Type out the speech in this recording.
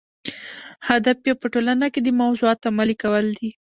هدف یې په ټولنه کې د موضوعاتو عملي کول دي.